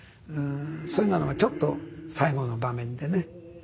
そういうようなのがちょっと最後の場面でね